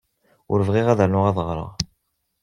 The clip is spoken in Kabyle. Ur bɣiɣ ad rnuɣ ad ɣreɣ.